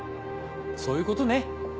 そういうことね。